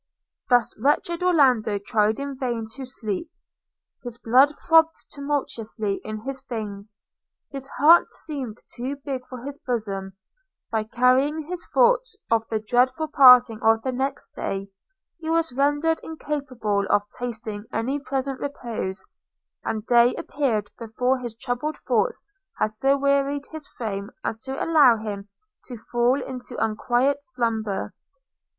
Thus wretched Orlando tried in vain to sleep – his blood throbbed tumultuously in his veins; his heart seemed too big for his bosom; by carrying his thoughts of the dreadful parting of the next day, he was rendered incapable of tasting any present repose; and day appeared before his troubled thoughts had so wearied his frame as to allow him to fall into unquiet slumber.